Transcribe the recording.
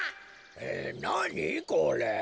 えなにこれ？